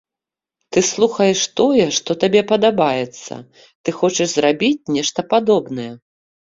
Ты слухаеш тое, што табе падабаецца, ты хочаш зрабіць нешта падобнае.